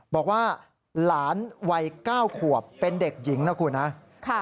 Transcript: บอกว่าหลานวัย๙ขวบเป็นเด็กหญิงนะคุณนะ